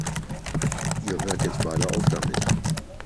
Ihr hört jetzt beide auf damit!